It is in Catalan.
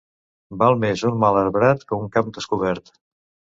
Val més un mal arbrat que camp descobert.